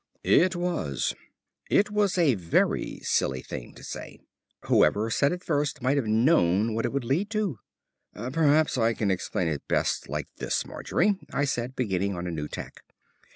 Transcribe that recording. It was. It was a very silly thing to say. Whoever said it first might have known what it would lead to. "Perhaps I can explain it best like this, Margery," I said, beginning on a new tack.